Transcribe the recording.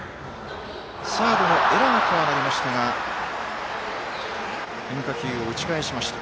サードのエラーとはなりましたが変化球を打ち返しました。